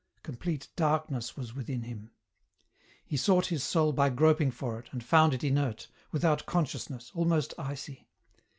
Complete darkness was within him. He sought his soul by groping for it, and found it inert, without consciousness, almost icy.